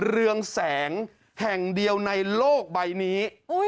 เรืองแสงแห่งเดียวในโลกใบนี้